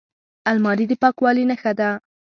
الماري د پاکوالي نښه ده